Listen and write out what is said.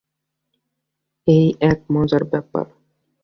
এই এক মজার ব্যাপার!